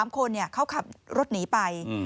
๓คนเขาขับรถหนีไป